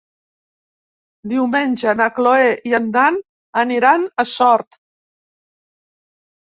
Diumenge na Cloè i en Dan aniran a Sort.